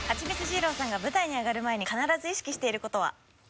二郎さんが舞台に上がる前に必ず意識している事は？